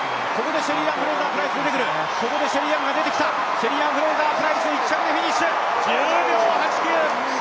シェリーアン・フレイザープライス、１着でフィニッシュ、１０秒８９。